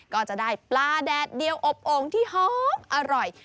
ก็จะได้ปลาแดดเดียวอบโอ่งที่หอมอร่อย